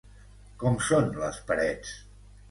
Com són les parets?